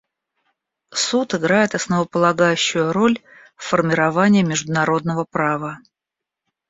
Суд играет основополагающую роль в формировании международного права.